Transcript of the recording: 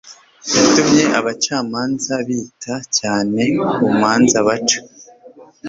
yatumye abacamanza bita cyane ku manza baca